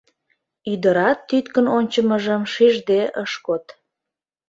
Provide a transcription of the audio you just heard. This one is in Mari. Ӱдырат тӱткын ончымыжым шижде ыш код